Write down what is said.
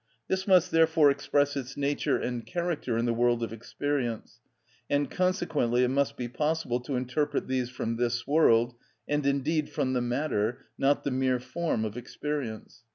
This must therefore express its nature and character in the world of experience, and consequently it must be possible to interpret these from this world, and indeed from the matter, not the mere form, of experience.